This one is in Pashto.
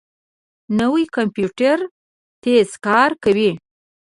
نوی کمپیوټر تېز کار کوي